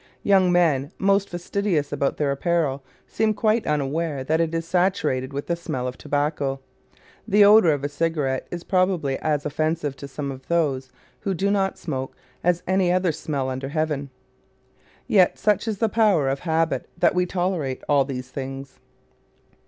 Young men most fastidious about their apparel seem quite unaware that it is saturated with the smell of tobacco. The odor of a cigarette is probably as offensive to some of those who do not smoke as any other smell under heaven. Yet such is the power of habit that we tolerate all these things.